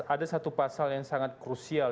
ada satu pasal yang sangat krusial